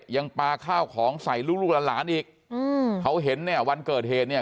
ยังปลาข้าวของใส่ลูกลูกหลานหลานอีกอืมเขาเห็นเนี่ยวันเกิดเหตุเนี่ย